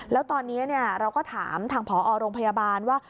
แล้วตอนนี้เราก็ถามทางผอโรงพยาบาลว่า